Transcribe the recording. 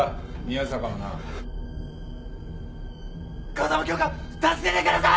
風間教官助けてください！